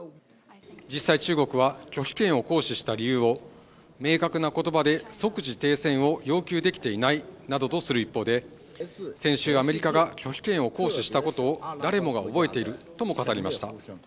実際中国は拒否権を行使した理由を明確な言葉で即時停戦を要求できていないなどとする一方で先週アメリカが拒否権を行使したことを誰もが覚えているとも語りました